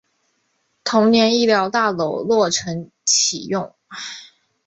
同年医疗大楼落成启用。